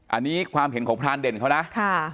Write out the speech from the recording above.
อันนี้ความเห็นของพรานเด่นเขานะ